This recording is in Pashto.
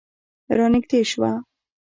رانږدې شوه.